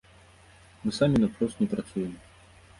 Мы самі наўпрост не працуем.